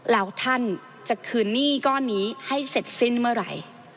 แล้วท่านจะคืนหนี้ก้อนนี้ให้เสร็จสิ้นเมื่อไหร่